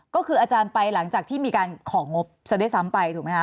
ก็คืออาจารย์ไปหลังจากที่มีการของงบซะด้วยซ้ำไปถูกไหมคะ